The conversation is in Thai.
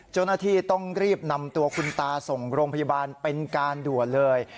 เจ้าหน้าที่ต้องรีบนำตัวคุณตาส่งโรงพยาบาลเป็นการด่วนเลย